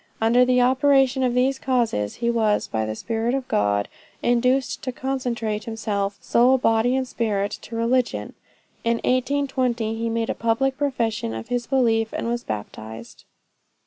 Under the operation of these causes, he was by the Spirit of God, induced to consecrate himself, soul, body, and spirit, to religion; and in 1820, he made a public profession of his belief and was baptized."